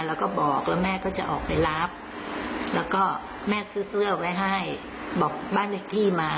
แล้วก็บอกแล้วแม่ก็จะออกไปรับแล้วก็แม่ซื้อเสื้อไว้ให้บอกบ้านเลขที่มา